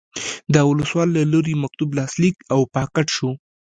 د ولسوال له لوري مکتوب لاسلیک او پاکټ شو.